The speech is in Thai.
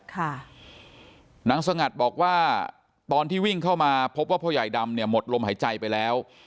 นางสงัดบอกว่าตอนที่วิ่งเข้ามาพบว่าพ่อใหญ่ดำเนี่ยหมดลมหายใจไปแล้ว